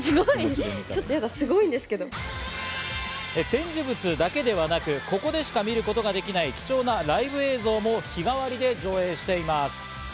展示物だけではなく、ここでしか見ることができない貴重なライブ映像も日替わりで上映しています。